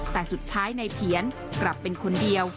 แต่สุดท้ายนายเพียนกลับเป็นคนเดียว